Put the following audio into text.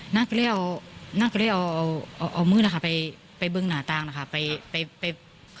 นางก็เลยอ่อมื้อนะคะไปเบื้องหน้าตาที่นี่นะคะ